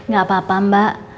gak apa apa mbak